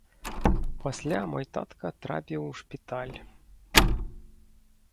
Пасля мой татка трапіў у шпіталь.